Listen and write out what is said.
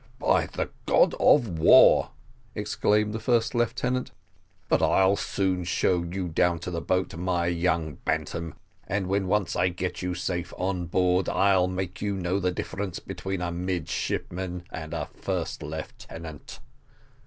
"By the god of war!" exclaimed the first lieutenant, "but I'll soon show you down to the boat, my young bantam; and when once I get you safe on board, I'll make you know the difference between a midshipman and a first lieutenant."